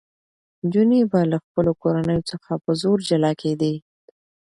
نجونې به له خپلو کورنیو څخه په زور جلا کېدې.